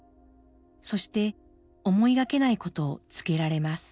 そして思いがけないことを告げられます。